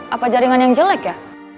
apa jaringan yang jelek ya